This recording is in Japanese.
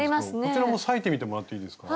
こちらも裂いてみてもらっていいですか。